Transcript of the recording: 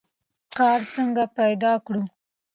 کار څنګه پیدا کړو؟